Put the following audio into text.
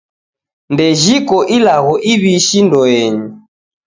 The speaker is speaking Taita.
Dejhiko ilagho iw'ishi ndoenyi